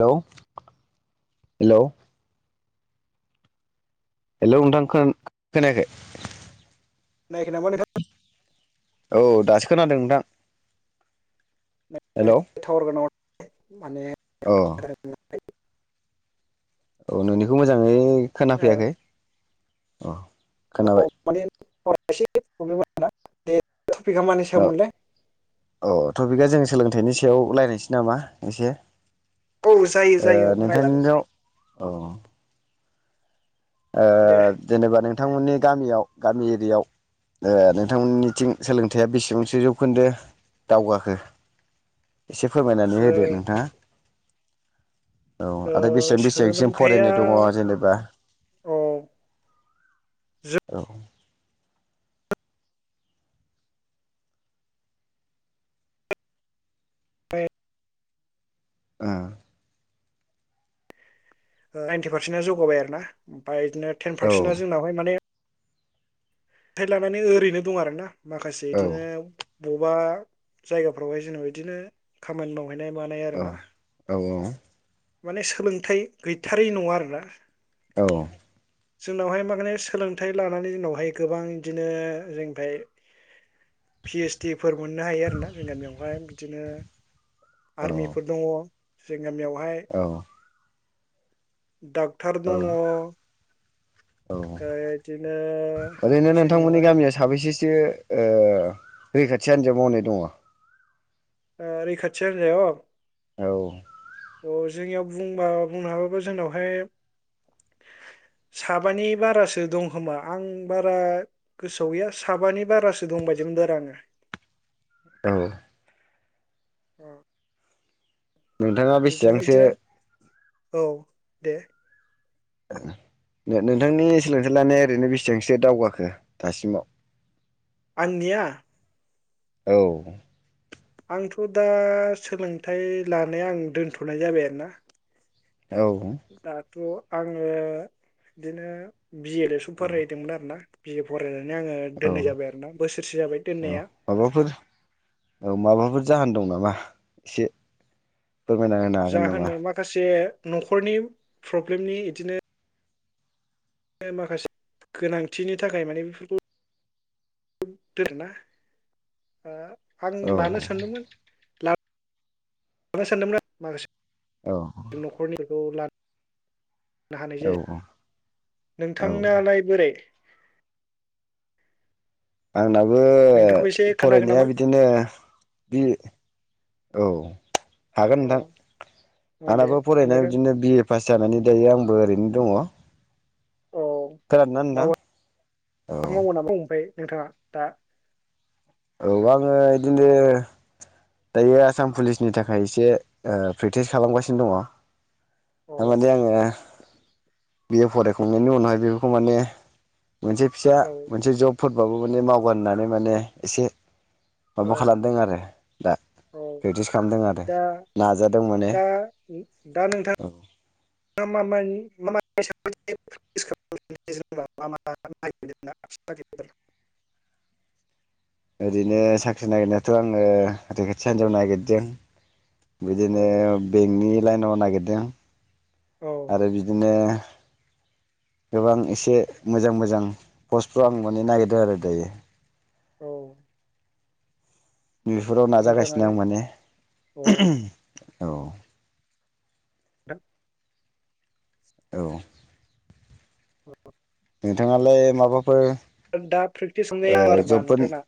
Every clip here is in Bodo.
हेलौ हेलौ हेलौ नोंथां खोना खोनायाखै? खोनायाखै नामा नोंथां औ दासो खोनादों नोंथां [unintelligible] हेलौ टावार गोनांआव माने अ [unintelligible] [unintelligible] औ नोंनिखौ मोजाङै खोनाफैयाखै अ अ खोनाबाय माने [unintelligible] थफिखा मानि औ सायावमोनलाय औ टपिकआ जों सोलोंथाइनि सायाव रायनोसै नामा एसे औ जायो ओ जायो नोंथां नि रायजागोन राव औ ओ दे जेनेबा नों थांमोननि गामियाव गामि एरियायाव नोंथांमोननिथिं सोलोंथायाइया बेसेबांसो जौखोन्दो दावगाखो एसे फोरमायनानै जो होदो नोंथांङा औ आरो ओ बेसेबां बेसेांसिम सोलोंथाइया फरायनाय दंङ जेनेबा औ औ फ्राय ओ नाइनटि पारसेन्टआ जौगाबाय आरो ना ओमफ्राय बिदिनो टेन ओ औ पारसेन्ट जोंनावहाय माने फिथाइ लानानै ओरैनो दं आरो ना माखासे औ इदिनो बबेबा जायगाफ्रावहाय जेनेबा इदिनो खामानि मावो गायनाय मानाय औ आरो ना माने सोलोंथाइ गैथारै नंङा आरोना अ जोंनावहाय मागे सोलोंथाइ लानानै जोंनावहाय गोबां इदिनो जोंनिफ्राय पि एइस डि फोर मोननो हायो आरोना जोंनि गामियावहाय बिदिनो औ आर्मिफोर दंङ गामियावहाय औ डाक्टर दंङ ओ औ बिदिनो जोंनियावहाय से ओ रैखाथि आान्जाद मावनाय दङ रैखाथि हान्जाया औ अ जोंनियाव बुंबा बुंनो हाबाबो जोंनावहाय साबानि बारासो दं खोमा आं बारा गोसोआव गैया साबानि बारासो दं बायदिमोनदों आरो आंङो औ औ नोंथांङा बेसेबांसो औ दे नो नोंथांनि सोलोंथाइ लानाया ओरैनो बेसेबांसो दावगाखो दासिमाव आंनि आ औ आंथ' दा सोलोंथाइ लानाया आं दोनथ'नाय जाबाय आरोना औ दाथ' आङो बिदिनो बि ए ल'सो फरायदोंमोन आरो ना बि ए फरायनानै बिदिनो आङो औ दोननाय जाबाय आरोना बोसोरसे जाबाय औ दोननाया माबाफोर औ माबाफोर जाहोन दं नामा एसे फोरमायना होनो जा हागोन नामा? माखासे न'खरनि प्रब्लेमनि इदिनो बिदिनो माखासे गोनांथिनि थाखाय माने बिफोरखौ दोंना आ आं औ लानो सानदोंमोन लाब औ [unintelligible] न'खरनिफोरखौ ला हानाय औ जायासै औ नोंथांनालाय बोरै? आंना बो नोंथांखौबो एसे खोन्थागोन फरायनाया नामा अ बिदिनो बि औ हागोन नोंथां दे आंनाबो फरायनाय खोन्थादों बिदिनो बि ए पास जानानै दायो आंबो ओरैनो दङ औ खोनादोंना माबा नोंथां औ मावो नामा ओमफ्राय नोंथाङा दा औ आङो बिदिनो दायो आसाम पुलिसनि थाखाय एसे ओ प्रेक्टिस खालामगासिनो औ दङ। [unintelligible] बिए फरायखांनायनि उनावहाय बेफोरखौ माने मोनसे फिसा औ मोनसे जब फोरबाबो माने मावगोन होननानै माने एसे औ माबा खालामदों आरो। दा औ प्रेक्टिस खालामदों आरो नाजादों माने। उम दा नोंथां औ [unintelligible] ओरैनो साख्रि नागिरनायाथ' आङो रैखाथि हानजायाव नागिरदों। औ बिदिनो बेंकनि लाइनाव नागिरदों। औ आरो बिदिनो गोबां एसे मोजां मोजां पस्टफ्र आं माने नागिरदों आरो दायो। औ बेफोराव नाजागासिनो आं मोजाङानो माने। अ नोंथां औ [inaudible] औ नोंथाङालाय माबाफोर दा प्रेक्टिस हमनाय ओ आं आरो मा जबफोर नोंथांना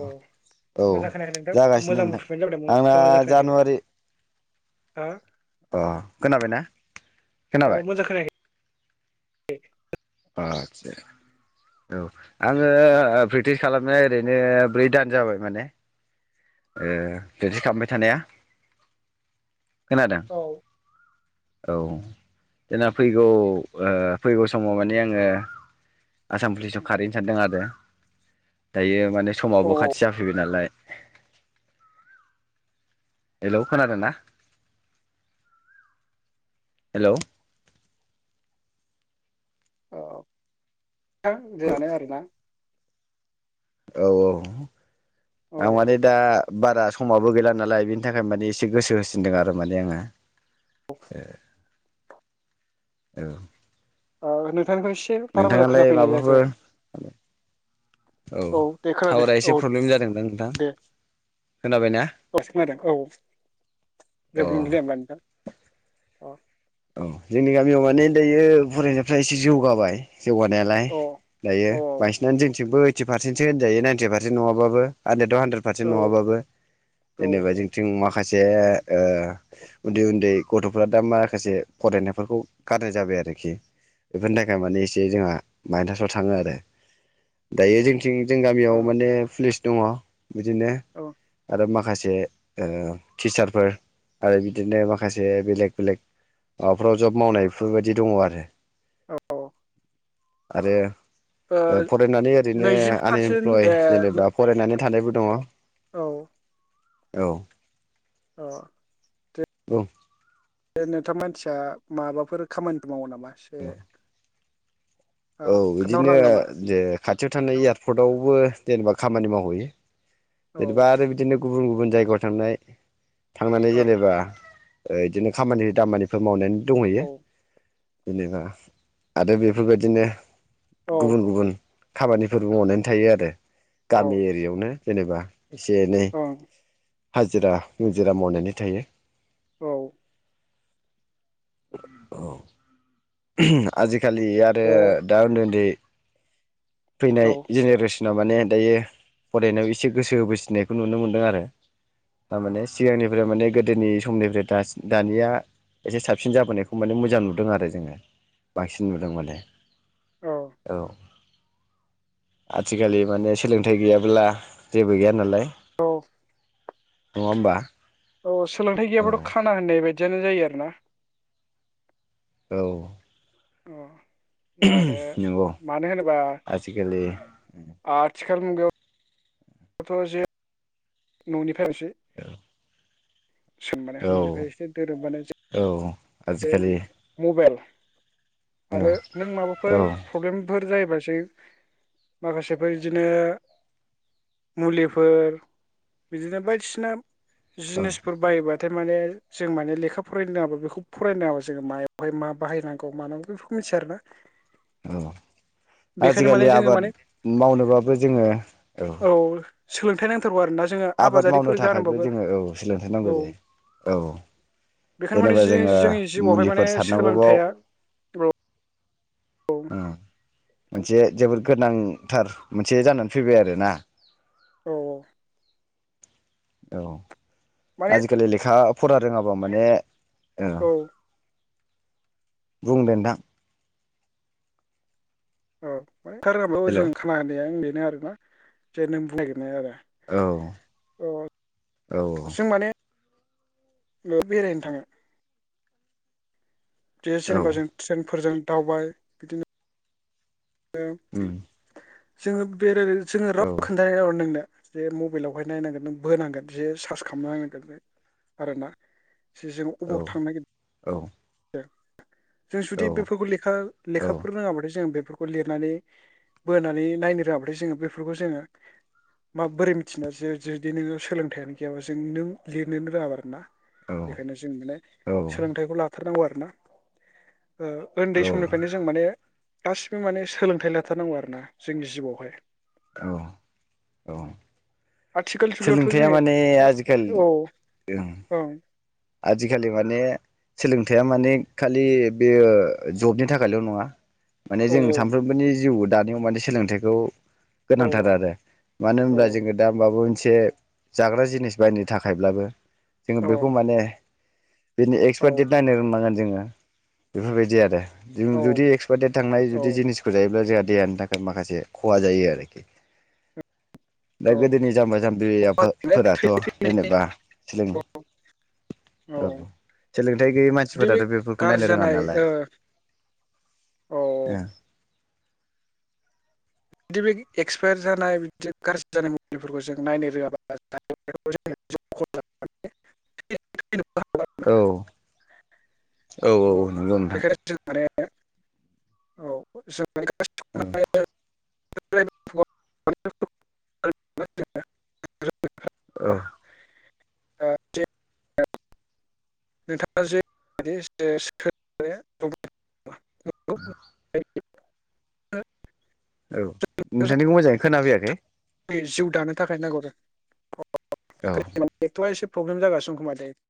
औ औ मोजां खोनायाखै नोंथां जागासिनो मोजां नोंथां मुभमेन्ट जाबाय आंना खोब मो जां खोनायाखै जानुवारि हा अ खोनाबायना? अ खोनाबाय मोजां। खोनायाखै [unintelligible] आदसा औ आङो प्रेक्टिस खालामनाया ओरैनो ब्रै दान जाबाय माने। बिदि खालामबाय थानाया खोनादों? औ औ जना फैगौ ओ फैगौ समाव माने आङो आसाम पुलिसाव खारैनो सानदों आरो दायो माने औ समावबो औ खाथि जाफैबाय नालाय हेलौ खोनादों ना? हेल' औ जानो आरोना औ औ औ आं माने दा बारा समाबो गैला नालाय बेनि थाखाय माने एसे गोसो होसिनदों आरो माने आङो ए औ औ खौ एसे बारा मोजां नोंथाङालाय खोनाफैनाय जायाखै माबाफोर औ दे खोनादो टावारा एसे औ प्रब्लेम जादोंदां नोंथां दे खोनाबायना औ खोनादों औ अ जोबदों दे होमबा नोंथां अ औ जोंनि गामियाव माने दायो फरायसाफ्रा एसे जौगाबाय जौगानायालाय अ दायो औ बांसिननानै जोंनिथिंबो एदटि पारसेन्स होनजायो नाइन्टि पारसेन नङाबाबो [unintelligible] पारसेन्ट औ नङाबाबो औ जेनबा जोंनि माखासे उन्दै उन्दै गथ'फ्रा दा माखासे फरायनायफोरखौ गारनाय जाबाय आरोखि बेफोरनि थाखाय माने एसे जोंहा माइनासाव थाङो आरो दायो जों जों गामियाव माने पुलिस दङ बिदिनो औ आरो माखासे से टिचारफोर आरो बिदिनो माखासे बेलेक बेलेक माबाफ्रा जब मावनायफोरबायदि दङ आरो औ आरो ओ फरायनानै ओरैनो नैजि पारसेन्ट आनइमप्लय ए जेनेबा फरायनानै थानायबो दङ औ औ औ दं बेनोथ' मानसिया माबाफोर खामानिफोर मावो नामा इसे औ बिदिनो जे खाथि खाथियाव थानाय एयारपर्टआवबो जेनेबा खामानि मावहैयो औ जेनेबा आरो बिदिनो गुबुन गुब जायगायाव थांनाय थांनानै जेनेबा बिदिनो खामानि दामानिफोर मावनानै दंहैयो औ जेनेबा आरो बेफोरबायदिनो औ गुबुन गुबुन खामानिफोरबो मावनानै थायो आरो औ गामि एरियायावनो जेनेबा एसे एनै ओं हाजिरा मुजिरा मावनानै थायो औ औ आजि खालि आरो औ दा उन्दै उन्दै फैनाय औ जेनेरेस माने दायो फरायनायाव एसे गोसो होबोसिननायखौ नुनो मोनदों आरो थारमाने सिगांनिफ्राय माने गोदोनि समनिफ्राय दानिया एसे साबसिन जाबोनायखौ माने मोजां नुदों आरो जोङो बांसिन नुदों माने औ आजिखालि माने सोलोंथाइ गैयाब्ला जेबो गैया नालाय औ नङाहोमबा औ सोलोंथाइ गैयाबथ खाना होननाय बाय दियानो जायो आरोना औ अह नंगौ आजिखालि थिखाल मुगायाव बोथ जे न'नि थाखायसो सोंबानो औ न'निफ्राय एसे दोरोदबानो जो औ आजिखालि बेल औ आरो नों माबाफोर औ प्रब्लेमफोर जायो बासो माखासेफोर बिदिनो मुलिफोर बिदिनो बायदिसिना औ जिनिसफोर बाय बाद थाइ माने जों माने लेखा फरायनो रोङाबा बेखौ फरायनायाव जोङो मायावहाय मा बाहायनांगौ मानांगौ बेखौ मिथिया आरोना। औ बेखायनो माने आजिखालि जोङो आबाद माने मावनोबाबो जोङो औ सोलोंथाइ नांथारौ आरोना जोङो आबाद मावनो आबादारिफोर थाखायबो जानोबाबो जोङो औ सोलोंथाइ औ नांगौ जायो औ बेखायनो माने जेनेबा जोङो जोंनि जिउआवहाय माने मुलिफोर सारनांगौबाव सोलोंथाइया औ ओ औ मोनसे जोबोद गोनां थार मोनसे जानानै फैबाय आरोना औ औ औ माने आजिखालि लेखा फरा रोङाब्ला माने औ बुं दे नोंथां औ [unintelligible] [unintelligible] हेल' औ आरो ना जे नों बुंनो नागिरनाय आरो औ औ जों माने बेरायनो थाङो बे औ जेनेबा जों ट्रेनफोरजों दावबाय बिदिनो [unintelligible] जोङो बेरायनायजों जोङो औ राव खोन्था [unintelligible] नोंनो जे मबाइलावहाय नायनांगोन नों बोनांगोन जे सार्स खालाम नांगोन बे आरोना जे जों अबावयाव थांनो नागिद औ दो जों औ जुदि बेफोरखौ लेखा औ लेखाफोर रोङाबाथाय जों बे खौ लिरनानै बोनानै नायनो रोङाबाथाय जोङो बेफोरखौ जोङो माबोरै मिथिनो जे जुदि नोङो सोलोंथाइयानो गैयाबा जों नों लिरनोनो रोङाबा आरो ना बेखायनो जों माने औ सोलोंथाइखौ लाथारनांगौ आरो [unintelligible] ओ उन्दै औ समनिफ्रायनो जों माने गास बो माने सोलोंथाइ लाथारनांगौ आरोना जोंनि जिवआवहाय औ औ आथिखालथ जुगायावथ' सोलोंथाइया माने जोङो आजिखालि ओ औ ओं आजिखालि माने सोलोंथाइया माने खालि बेयो जबनि थाखायल' नङा माने औ जों सानफ्रोमबोनि जिउद दानियाव मानि सोलोंथाइखौ औ गोनांथार आरो मानो औ होनब्ला जोङो दामबामोन मोनसे जाग्रा जिनिस बायनो थाखायब्लाबो जोङो औ बेखौ माने बेनि औ एक्सपारडेथ नायनो रोंनांगोन जोङो बेफोरबायदि आरो जों जुदि औ एक्सपारडेट थांनाय जुदि जिनिसखौ जायोब्ला जोंह देहनि थाखाय माखासे खहा जायो आरोखि दा औ गोदोनि जाम्बा जाम्बिया औ फो फोराथ' जेनेबा सोलों औ सोलोंथाइ गैयै जुदि बे मानसिफोराथ' बेफोरखौ गाज्रि नायनो रोङा जानाय नालाय ओ औ बिदि बे एक्सपायार जानाय बिदिनो गाज्रि जानाय मबाइलफोरखौ जों नायनो रोङाबा [unintelligible] औ औ औ नंगौ नोंथां बेखायनो जों माने औ औ जों [unintelligible] [inaudible] औ [inaudible] नोंथाङा जेबायदि [inaudible] [inaudible] [inaudible] औ नोंथांनिखौ मोजाङै खोनाफैयाखै जिउ दानो थाखाय नांगौ जा [inaudible] औ प्रब्लेम जागासिनो दं खोमा दायो